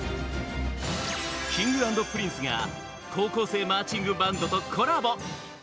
Ｋｉｎｇ＆Ｐｒｉｎｃｅが高校生マーチングバンドとコラボ！